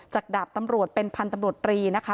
ดาบตำรวจเป็นพันธุ์ตำรวจรีนะคะ